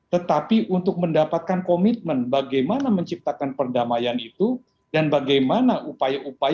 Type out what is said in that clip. tetapi untuk mendapatkan komitmen bagaimana menciptakan perdamaian itu dan bagaimana upaya upaya